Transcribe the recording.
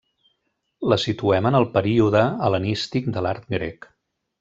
La situem en el període hel·lenístic de l'art grec.